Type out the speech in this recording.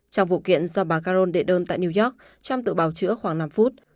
trong vụ kiện do bà caron đệ đơn tại new york trong tự bào chữa khoảng năm phút